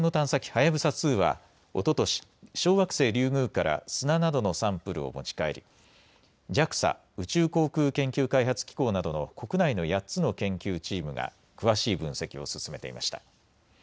はやぶさ２はおととし、小惑星リュウグウから砂などのサンプルを持ち帰りＪＡＸＡ・宇宙航空研究開発機構などの国内の８つの研究チームが詳しい分析を進めていました。